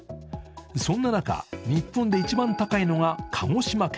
そんな中、日本で一番高いのが鹿児島県。